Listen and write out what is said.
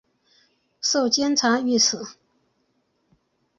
授监察御史。